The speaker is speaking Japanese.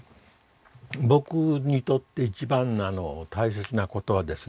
僕にとって一番なのは大切なことはですね